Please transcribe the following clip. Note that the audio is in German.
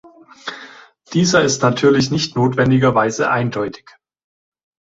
Dieser ist natürlich nicht notwendigerweise eindeutig.